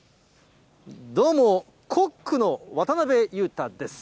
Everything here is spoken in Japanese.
どうも、コックの渡辺裕太です。